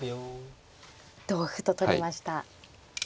同歩と取りました。